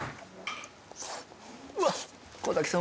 うわ小瀧さん